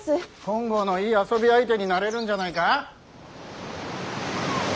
金剛のいい遊び相手になれるんじゃないか。